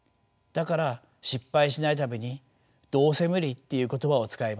だから失敗しないためにどうせ無理っていう言葉を使います。